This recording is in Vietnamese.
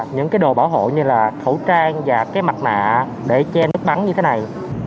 những cái đồ bảo hộ như là khẩu trang và cái mặt nạ để che nứt bắn như thế này